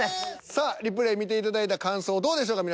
さあリプレイ見ていただいた感想どうでしょうか？